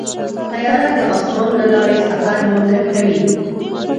طیاره د اسمان له لارې سفر ممکن کوي.